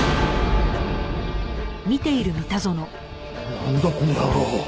なんだこの野郎。